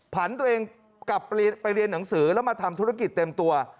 ผันตัวเองกลับไปเรียนหนังสือแล้วมาทำธุรกิจเต็มตัว